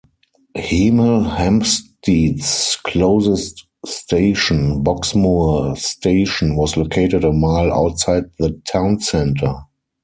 Hemel Hempstead's closest station, Boxmoor station, was located a mile outside the town centre.